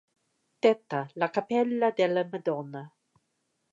Detta la Cappella della Madonna.